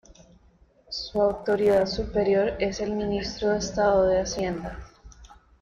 Su autoridad superior es el Ministro de Estado de Hacienda.